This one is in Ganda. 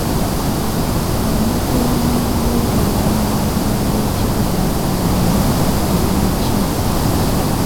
Omukuumi w'ebiwandiiko w'ekibuga alina mulimu ki?